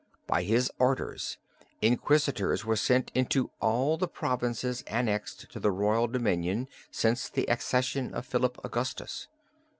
By his order, inquisitors were sent into all the provinces annexed to the royal dominion since the accession of Philip Augustus.